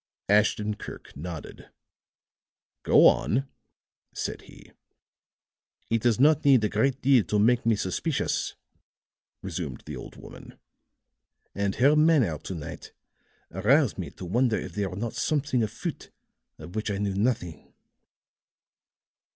Ashton Kirk nodded. "Go on," said he. "It does not need a great deal to make me suspicious," resumed the old woman; "and her manner to night aroused me to wonder if there were not something afoot of which I knew nothing.